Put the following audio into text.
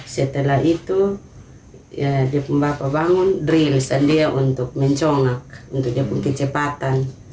setelah itu ya di pembangun pembangun drill sendiri untuk mencongak untuk dia punya kecepatan